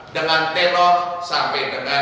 dengan telok sampai dengan satu tahun